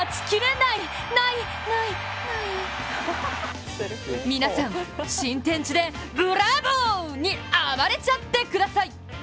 ない、ない、ない皆さん、新天地でブラボー！に暴れちゃってください。